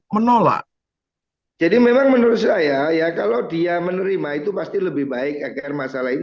menolak jadi memang menurut saya ya kalau dia menerima itu pasti lebih baik agar masalah ini